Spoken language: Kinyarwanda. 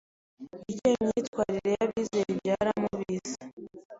'icyo imyitwarire y'abizera ibyara mu b'isi